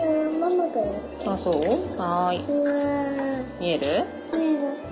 見える？